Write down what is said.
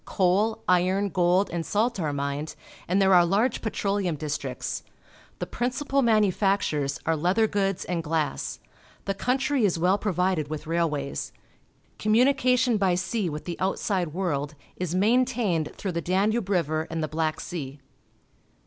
Coal, iron, gold, and salt are mined, and there are large petroleum districts. The principal manu factures are leather goods and glass. The country is well provided with railways. Communication by sea with the outside world is maintained through the Danube River and the Black .Sea.